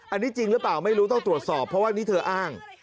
อันนี้จริงหรือเปล่าไม่รู้ต้องตรวจสอบเพราะว่านี่เธออ้าง